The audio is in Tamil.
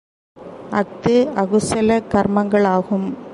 அஃது அகுஸல கர்மங்களாகும்.